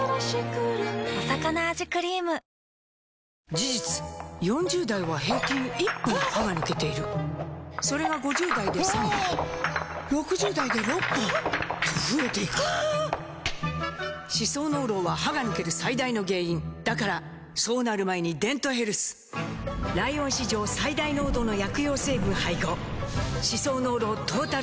事実４０代は平均１本歯が抜けているそれが５０代で３本６０代で６本と増えていく歯槽膿漏は歯が抜ける最大の原因だからそうなる前に「デントヘルス」ライオン史上最大濃度の薬用成分配合歯槽膿漏トータルケア！